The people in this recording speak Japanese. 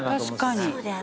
確かに。